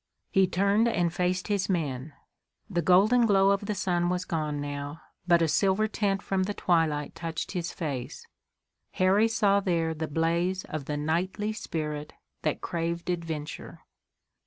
He turned and faced his men. The golden glow of the sun was gone now, but a silver tint from the twilight touched his face. Harry saw there the blaze of the knightly spirit that craved adventure.